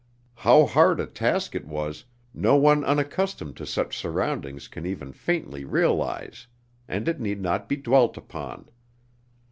How hard a task it was, no one unaccustomed to such surroundings can even faintly realize, and it need not be dwelt upon.